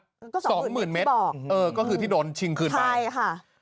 สองหมื่นเมตรเออก็คือที่โดนชิงคืนไปใช่ค่ะ